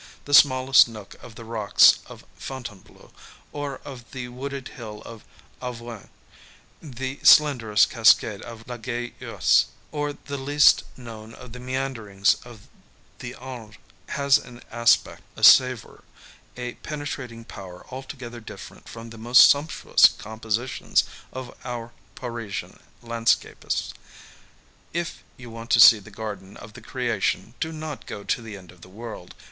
The smallest nook of the rocks of Fontainebleau, or of the wooded hill of Auveigne, the slenderest cascade of la GaigUesse, or the least known of the meanderings of the Indre has an aspect, a savour, a penetrating power alto gether different from the most sumptuous compositions of our Parisian landscapists ! If you want to see the garden of the creation, do not go to the end of the world.